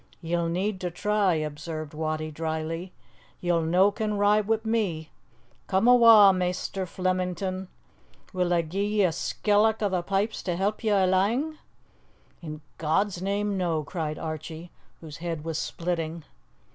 "Ye'll need to try," observed Wattie dryly. "Ye'll no can ride wi' me. Come awa', Maister Flemington. Will a gi' ye a skelloch o' the pipes to help ye alang?" "In God's name, no!" cried Archie, whose head was splitting.